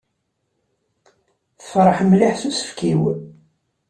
Tefreḥ mliḥ s usefk-iw.